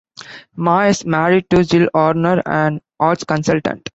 Ma is married to Jill Hornor, an arts consultant.